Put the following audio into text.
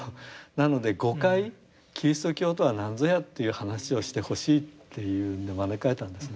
なので５回キリスト教とは何ぞやという話をしてほしいというので招かれたんです。